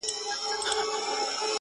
خوله یې وازه کړه آواز ته سمدلاسه.!